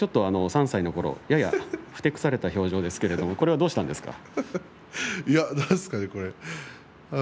３歳のころ、ややふてくされた表情ですけどどうしたんですか。